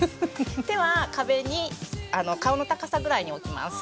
手は壁に顔の高さぐらいに置きます。